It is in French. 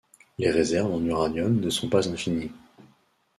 Les réserves en uranium ne sont pas infinies.